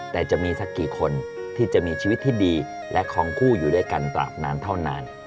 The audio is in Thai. แต่จะมีสักกี่คนที่จะมีชีวิตที่ดีและของคู่อยู่ด้วยกันตราบนานเท่านาน